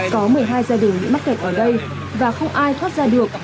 có một mươi hai gia đình bị mắc kẹt ở đây và không ai thoát ra được